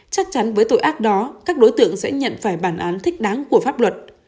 chắc chắn với tội ác đó các đối tượng sẽ nhận phải bản án thích đáng của pháp luật